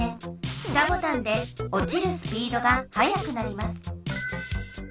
下ボタンで落ちるスピードがはやくなります。